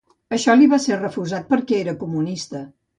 Això li va ser refusat per què era comunista.